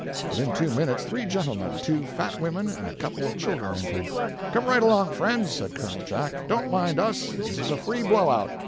Within two minutes, three gentlemen, two fat women, and a couple of children, entered. "Come right along, friends," said Col. Jack; "don't mind us. This is a free blow out."